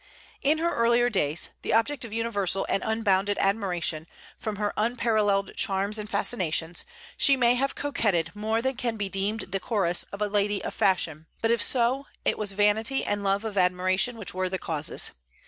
In her earlier days the object of universal and unbounded admiration, from her unparalleled charms and fascinations she may have coquetted more than can be deemed decorous in a lady of fashion; but if so, it was vanity and love of admiration which were the causes.